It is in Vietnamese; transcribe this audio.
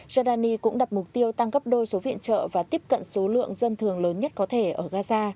giordani cũng đặt mục tiêu tăng cấp đôi số viện trợ và tiếp cận số lượng dân thường lớn nhất có thể ở gaza